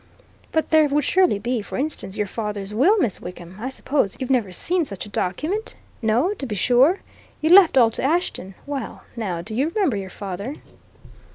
But there would surely be, for instance, your father's will, Miss Wickham. I suppose you've never seen such a document? No, to be sure! You left all to Ashton. Well, now, do you remember your father?"